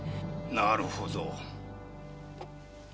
なるほど。